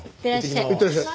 いってらっしゃい。